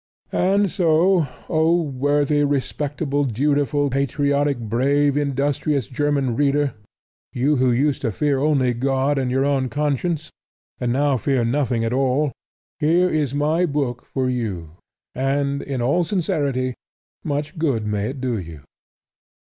And so, O worthy, respectable, dutiful, patriotic, brave, industrious German reader, you who used to fear only God and your own conscience, and now fear nothing at all, here is my book for you; and in all sincerity much good may it do you!